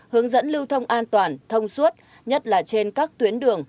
hướng dẫn lưu thông an toàn thông suốt nhất là trên các tuyến đường